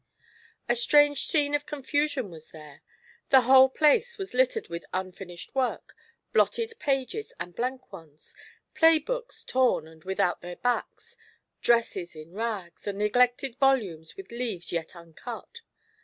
A strange scene of confusion was there ; the whole place was littered with unfinished work, blotted pages and blank ones, play books torn and without their backs, dresses in rags, and neglected volumes with leaves yet uncut.